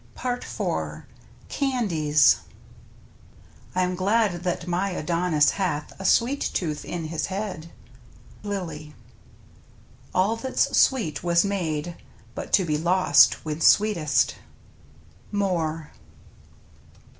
F^ "^ w CANDIES I am glad that my Adonis hath a sweete tooth in his head. — Lyly. All that's sweet was made But to be lost when sweetest. — Moore.